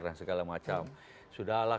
dan segala macam sudah lah